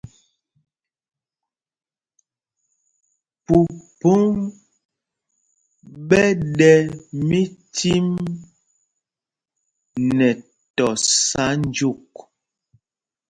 Mpumpoŋ ɓɛ ɗɛ micim nɛ tɔsa jyûk.